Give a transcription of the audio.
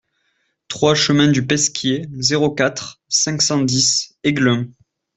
trois chemin du Pesquier, zéro quatre, cinq cent dix Aiglun